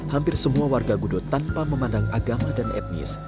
hampir semua warga gudo tanpa memandang agama dan etnis